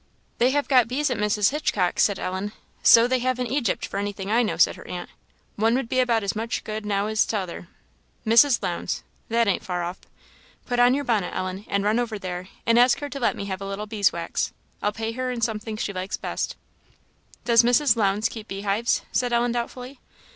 "They have got bees at Mrs. Hitchcock's," said Ellen. "So they have in Egypt, for anything I know," said her aunt; "one would be about as much good now as t'other. Mrs. Lowndes that ain't far off. Put on your bonnet, Ellen, and run over there, and ask her to let me have a little bees' wax. I'll pay her in something she likes best." "Does Mrs. Lowndes keep bee hives?" said Ellen, doubtfully.